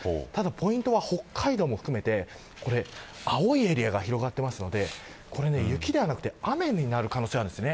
ポイントは北海道も含めて青いエリアが広がっているので雪ではなく雨になる可能性が高いです。